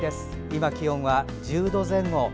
今、気温は１０度前後。